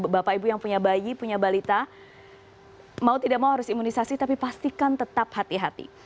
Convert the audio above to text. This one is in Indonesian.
bapak ibu yang punya bayi punya balita mau tidak mau harus imunisasi tapi pastikan tetap hati hati